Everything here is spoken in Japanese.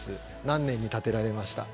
何年に建てられました。